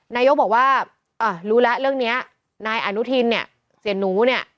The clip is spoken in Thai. นายกบอกว่ารู้แล้วเรื่องนี้นายอนุทินเนี่ยเสียหนูเนี่ย